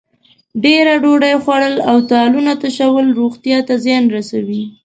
ډېره ډوډۍ خوړل او تالونه تشول روغتیا ته زیان رسوي.